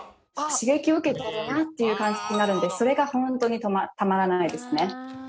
刺激を受けてるなっていう感じになるのでそれがホントにたまらないですね。